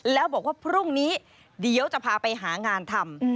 แล้วบอกว่าพรุ่งนี้เดี๋ยวจะพาไปหางานทำ